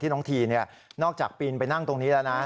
น้องทีนอกจากปีนไปนั่งตรงนี้แล้วนะ